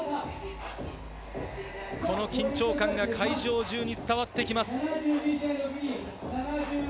この緊張感が会場中に伝わってきます。